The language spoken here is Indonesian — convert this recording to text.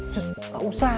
sus enggak usah